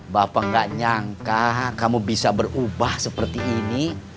bapak gak nyangka kamu bisa berubah seperti ini